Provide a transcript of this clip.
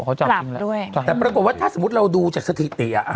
กลับด้วยแต่ปรากฎว่าถ้าสมมติเราดูจากสถิติอ่ะ